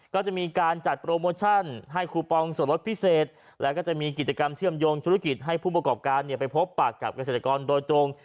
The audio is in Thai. ก็จะมีการจัดโปรโมชั่นให้คูปองส่วนลดพิเศษแล้วก็จะมีกิจกรรมเชื่อมโยงธุรกิจให้ผู้ประกอบการไปพบปากกับเกษตรกรโดยตรง